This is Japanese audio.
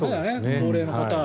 高齢の方は。